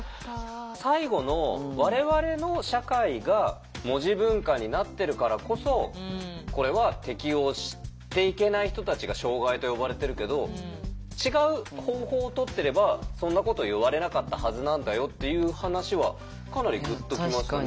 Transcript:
最後の我々の社会が文字文化になっているからこそこれは適応していけない人たちが障害と呼ばれてるけど違う方法をとってればそんなこと言われなかったはずなんだよっていう話はかなりグッと来ましたね。